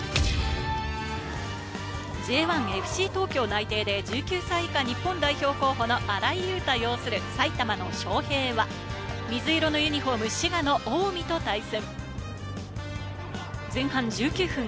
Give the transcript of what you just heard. Ｊ１・ＦＣ東京内定で１９歳以下日本代表候補の荒井悠汰を擁する埼玉の昌平は、水色のユニホーム、滋賀の近江と対戦。